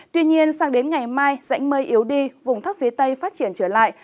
tuy nhiên sang đến ngày mai rãnh mây yếu đi vùng thấp phía tây phát triển trở lại